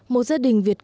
một gia đình việt nam